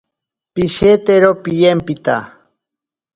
Pishetero piyempita.